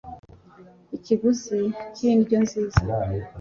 Ikiguzi cy indyo nziza